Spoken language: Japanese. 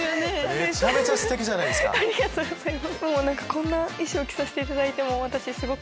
もうこんな衣装着させていただいて私すごく。